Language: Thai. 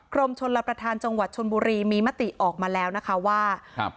กรมชนรับประทานจังหวัดชนบุรีมีมติออกมาแล้วนะคะว่าครับ